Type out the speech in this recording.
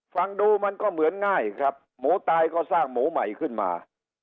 ฟังดูมันก็เหมือนง่ายครับหมูตายก็สร้างหมูใหม่ขึ้นมา